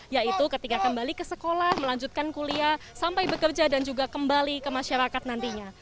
yaitu ketika kembali ke sekolah melanjutkan kuliah sampai bekerja dan juga kembali ke masyarakat nantinya